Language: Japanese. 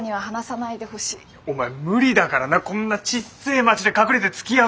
お前無理だからなこんなちっせえ町で隠れてつきあうとか。